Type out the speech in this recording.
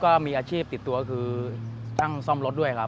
ก็มีอาชีพติดตัวคือตั้งซ่อมรถด้วยครับ